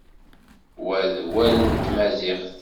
Wa d awal n tmaziɣt.